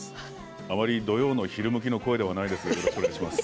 あまり土曜の昼向きの声ではないんですけれどよろしくお願いします。